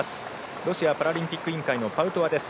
ロシアパラリンピック委員会のパウトワです。